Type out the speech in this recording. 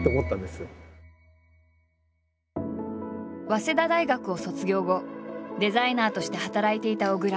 早稲田大学を卒業後デザイナーとして働いていた小倉。